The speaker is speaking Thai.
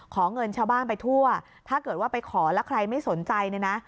เงินชาวบ้านไปทั่วถ้าเกิดว่าไปขอแล้วใครไม่สนใจเนี่ยนะ